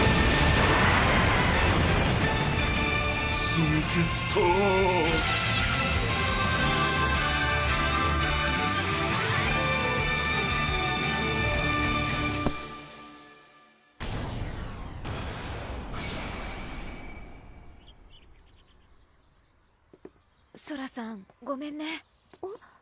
スミキッタソラさんごめんねえっ？